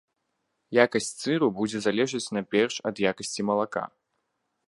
Якасць сыру будзе залежаць найперш ад якасці малака.